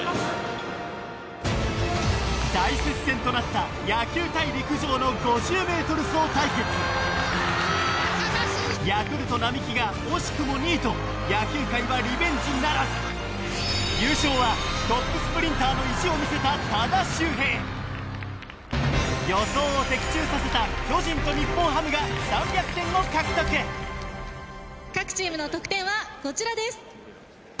大接戦となった野球対陸上の５０ｍ走対決ヤクルト・並木が惜しくも２位と野球界はリベンジならず優勝はトップスプリンターの意地を見せた多田修平３００点を獲得各チームの得点はこちらです。